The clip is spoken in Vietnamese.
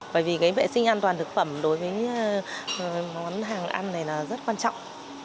bởi vì cái vệ sinh an toàn thực phẩm đối với món hàng ăn này là rất quan trọng